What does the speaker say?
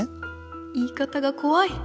言い方がこわい！